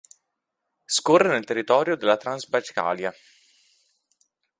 Scorre nel Territorio della Transbajkalia.